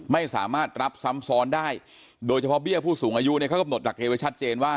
ไม่สามารถรับซ้ำซ้อนได้โดยเฉพาะเบี้ยผู้สูงอายุเนี่ยเขากำหนดหลักเกณฑ์ไว้ชัดเจนว่า